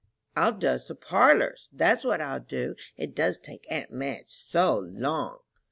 "I'll dust the parlors, that's what I'll do. It does take aunt Madge so long."